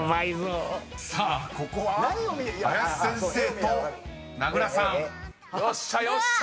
［さあここは林先生と名倉さん］よっしゃよっしゃ！